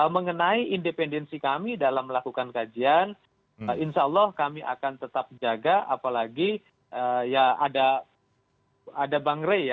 mengenai independensi kami dalam melakukan kajian insya allah kami akan tetap jaga apalagi ya ada bang rey ya